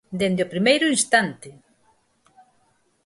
¡Dende o primeiro instante!